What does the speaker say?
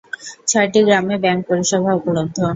ছয়টি গ্রামে ব্যাংক পরিষেবা উপলব্ধ।